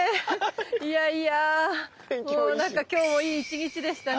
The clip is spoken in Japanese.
いやいやもうなんか今日もいい１日でしたね。